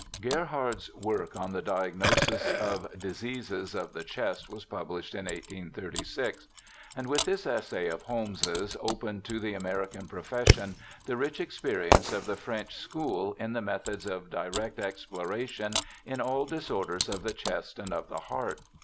Gerhard's work on the diagnosis of diseases of the chest was published in 1836, and with this essay of Holmes's opened to the American profession the rich experience of the French school in the methods of direct exploration in all disorders of the chest and of the heart.